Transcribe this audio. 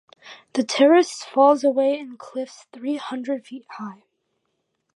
The terrace falls away in cliffs three hundred feet high.